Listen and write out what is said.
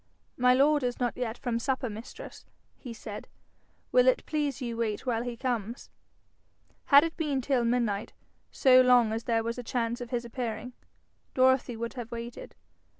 'My lord is not yet from supper, mistress,' he said. 'Will it please you wait while he comes?' Had it been till midnight, so long as there was a chance of his appearing, Dorothy would have waited.